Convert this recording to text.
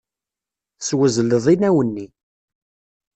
Teswezleḍ inaw-nni.